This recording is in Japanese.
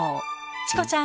チコちゃん